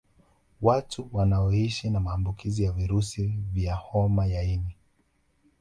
Watu wanaoishi na maambukizi ya virusi vya homa ya ini